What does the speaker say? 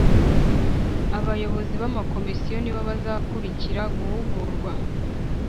Abayobozi b’ amakomisiyo nibo bazakurikira guhugurwa